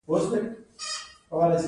په داسې حال کې چې هغوی پوره کار کړی دی